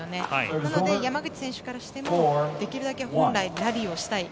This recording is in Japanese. なので山口選手からしてもできるだけ本来ラリーをしたい。